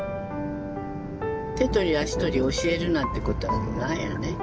手取り足取り教えるなんてことはないよね。